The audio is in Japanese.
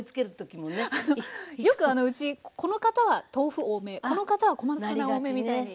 あのよくうちこの方は豆腐多めこの方は小松菜多めみたいに。